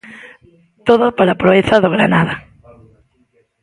Todo pola proeza do Granada.